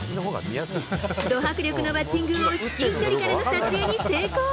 ド迫力のバッティングを至近距離からの撮影に成功。